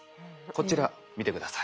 こちら見て下さい。